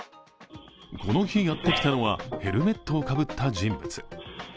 この日、やってきたのはヘルメットをかぶった人物。